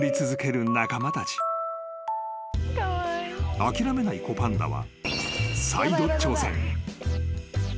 ［諦めない子パンダは］